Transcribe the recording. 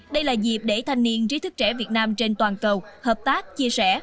đây là dịp để thanh niên trí thức trẻ việt nam trên toàn cầu hợp tác chia sẻ